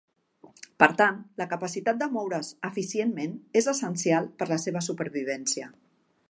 Per tant, la capacitat de moure's eficientment és essencial per la seva supervivència.